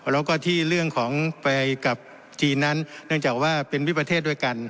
แล้วก็ที่เรื่องของไปกับจีนนั้นเนื่องจากว่าเป็นวิประเทศด้วยกัน